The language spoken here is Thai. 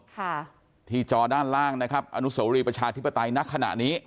ค่ะที่จอด้านล่างนะครับอนุโสรีประชาธิปไตยณขณะนี้